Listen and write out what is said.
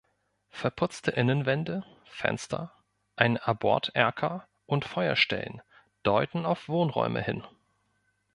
Verputzte Innenwände, Fenster, ein Aborterker und Feuerstellen deuten auf Wohnräume hin.